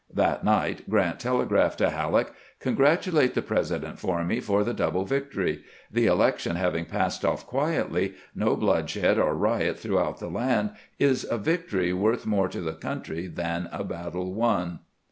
That night Grant telegraphed to Halleck: "... Con gratulate the President for me for the double victory. The election having passed off quietly, no bloodshed or riot throughout the land, is a victory worth more to the country than a battle won.